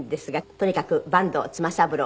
とにかく阪東妻三郎